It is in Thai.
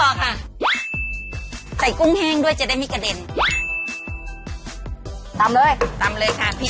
มีกุ้งแห้งแล้วจะไม่กระเด็นหรือไง